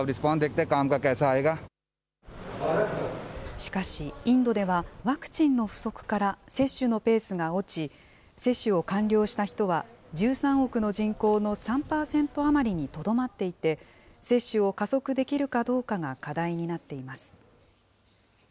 しかしインドでは、ワクチンの不足から接種のペースが落ち、接種を完了した人は１３億の人口の３％余りにとどまっていて、接種を加速できるかどうかが課題になっています。